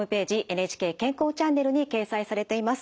「ＮＨＫ健康チャンネル」に掲載されています。